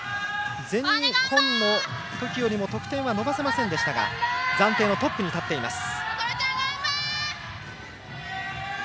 全日本の時よりも得点は伸ばせませんでしたが暫定のトップに立っています。